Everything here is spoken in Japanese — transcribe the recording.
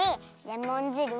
レモンじる！